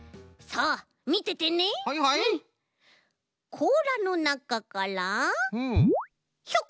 こうらのなかからひょこ！